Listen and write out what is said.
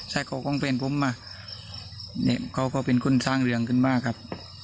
ไซค์ของผมมันเป็นคนสร้างเรืองขึ้นมากครับ